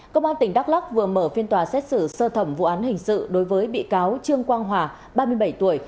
công an tỉnh đắk lắc vừa mở phiên tòa xét xử sơ thẩm vụ án hình sự đối với bị cáo trương quang hòa ba mươi bảy tuổi